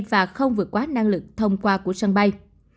và không vượt quá năng lực thông qua của sân bay